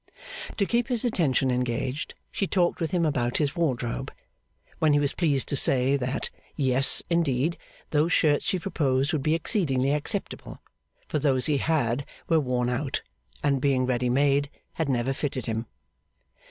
To keep his attention engaged, she talked with him about his wardrobe; when he was pleased to say, that Yes, indeed, those shirts she proposed would be exceedingly acceptable, for those he had were worn out, and, being ready made, had never fitted him.